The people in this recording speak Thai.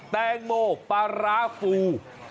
แตงโมปลาร้าฟู